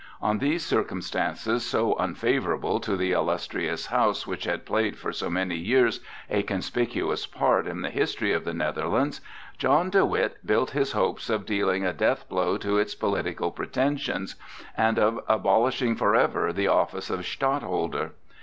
On these circumstances, so unfavorable to the illustrious house which had played for so many years a conspicuous part in the history of the Netherlands, John de Witt built his hopes of dealing a deathblow to its political pretensions and of abolishing forever the office of stadtholder.